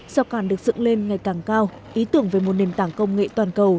sao càng được dựng lên ngày càng cao ý tưởng về một nền tảng công nghệ toàn cầu